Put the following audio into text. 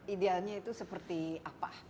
idealnya itu seperti apa